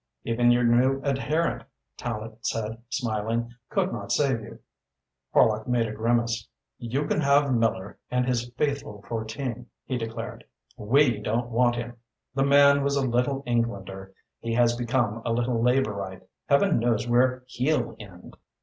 "Even your new adherent," Tallente said, smiling, "could not save you." Horlock made a grimace. "You can have Miller and his faithful fourteen," he declared. "We don't want him. The man was a Little Englander, he has become a Little Labourite. Heaven knows where he'll end!